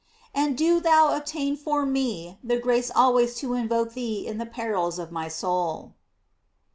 And do thou obtain for me the grace al ways to invoke thee in the perils of my soul.